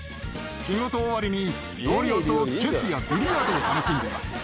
仕事終わりに同僚とチェスやビリヤードを楽しんでいます。